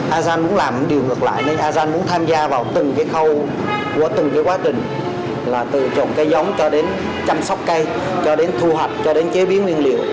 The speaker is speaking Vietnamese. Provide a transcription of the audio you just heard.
az gian muốn làm điều ngược lại nên az gian muốn tham gia vào từng cái khâu của từng cái quá trình là từ trộn cây giống cho đến chăm sóc cây cho đến thu hoạch cho đến chế biến nguyên liệu